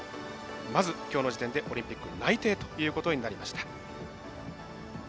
まず、きょうの時点でオリンピック内定ということになりました。